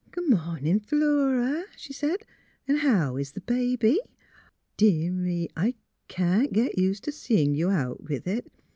" Good morning, Philura," she said. " And hoiv is the baby? — Dear me, I can't get used to seein' you out with it.